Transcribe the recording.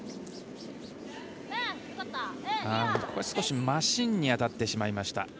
少しマシンに当たってしまいました。